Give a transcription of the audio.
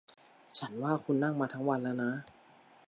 ฉันว่าคุณนั่งมาทั้งวันแล้วนะ